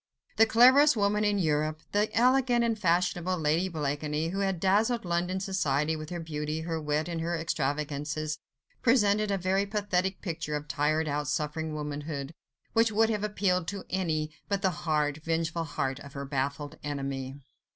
The cleverest woman in Europe, the elegant and fashionable Lady Blakeney, who had dazzled London society with her beauty, her wit and her extravagances, presented a very pathetic picture of tired out, suffering womanhood, which would have appealed to any, but the hard, vengeful heart of her baffled enemy.